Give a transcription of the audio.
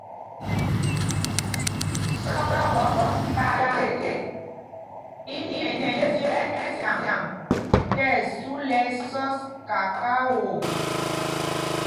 Sɔkphɔmb njāā ték i nɛ njes ɛsyaŋ tí ɛsu lɛ ɛsɔs kakao.